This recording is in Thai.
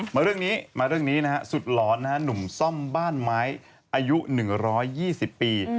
มาเรื่องนี้มาเรื่องนี้นะฮะสุดหลอนนะฮะหนุ่มซ่อมบ้านไม้อายุหนึ่งร้อยยี่สิบปี